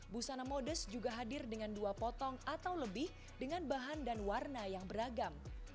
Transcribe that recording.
busana modest juga hadir dengan dua potong atau lebih dengan bahan dan warna yang beragam